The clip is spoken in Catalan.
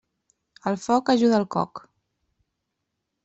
El foc ajuda el coc.